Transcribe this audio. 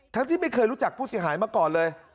ที่ไม่เคยรู้จักผู้เสียหายมาก่อนเลย